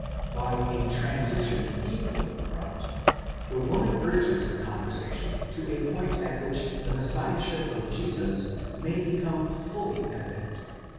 By a transition equally abrupt, the woman urges the conversation to a point at which the Messiahship of Jesus may become fully evident.